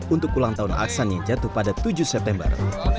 untuk ulang tahun aksan yang jatuh pada tujuh september